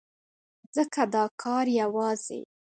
ځکه دا کار يوازې